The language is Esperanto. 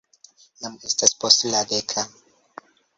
Jam estas post la deka.